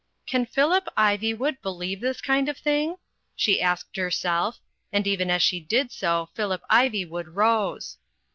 "Can Phillip Ivywood believe this kind of thing?" VEGETARIANISM 129 sbe asked herself; and even as she did so, Phillip Ivy 'wood rose.